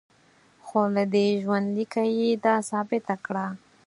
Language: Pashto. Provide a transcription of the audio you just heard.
خو له دې ژوندلیکه یې دا ثابته کړه.